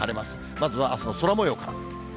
まずはあすの空もようから。